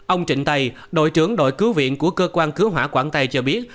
ông trịnh tây đội trưởng đội cứu viện của cơ quan cứu hỏa quảng tây cho biết